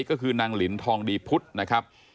ก็คือนางลินทองดีพุทธนะครับ